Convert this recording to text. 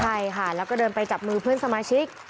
ใช่ค่ะแล้วก็เดินไปจับมือเพื่อนสมาชิก